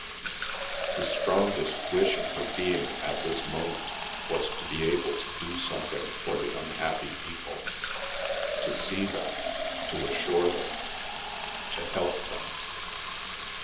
The strongest wish in her being at this moment was to be able to do something for the unhappy people—to see them—to assure them—to help them.